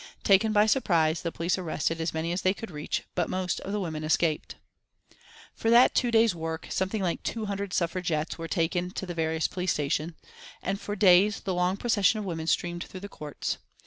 Taken by surprise the police arrested as many as they could reach, but most of the women escaped. [Illustration: THE ARGUMENT OF THE BROKEN WINDOW PANE] For that two days' work something like two hundred suffragettes were taken to the various police stations, and for days the long procession of women streamed through the courts.